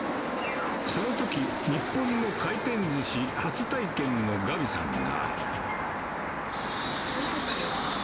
そのとき、日本の回転ずし初体験のガビさんが。